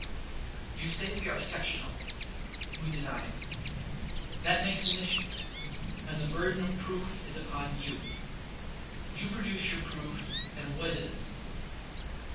You say we are sectional. We deny it. That makes an issue; and the burden of proof is upon you. You produce your proof; and what is it?